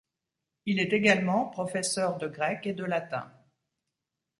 Il est également professeur de grec et de latin.